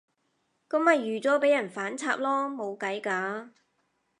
噉咪預咗畀人反插囉，冇計㗎